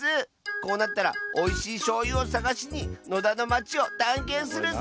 こうなったらおいしいしょうゆをさがしに野田のまちをたんけんするッス！